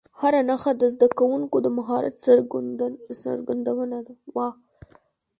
هره نښه د زده کوونکو د مهارت څرګندونه وه.